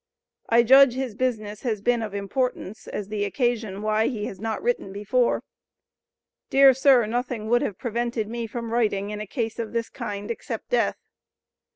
I judge his business has been of importance as the occasion why he has not written before. Dear sir, nothing would have prevented me from writing, in a case of this kind, except death.